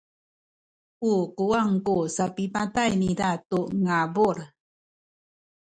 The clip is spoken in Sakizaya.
u kuwang ku sapipatay niza tu ngabul.